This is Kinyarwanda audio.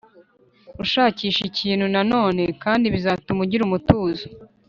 ushakisha ikintu Nanone, kandi bizatuma ugira umutuzo